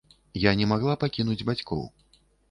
Я не магла пакінуць бацькоў.